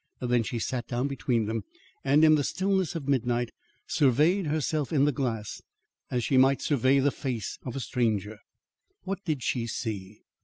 Then she sat down between them and in the stillness of midnight surveyed herself in the glass, as she might survey the face of a stranger. What did she see?